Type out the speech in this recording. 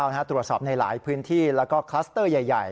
ตัวสอบและหลายพื้นที่และคลัสเตอร์ใหญ่